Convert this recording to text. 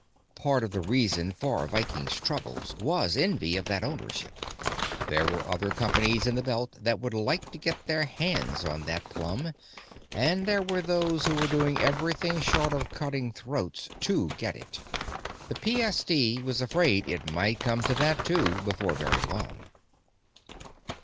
Part of the reason for Viking's troubles was envy of that ownership. There were other companies in the Belt that would like to get their hands on that plum, and there were those who were doing everything short of cutting throats to get it. The PSD was afraid it might come to that, too, before very long.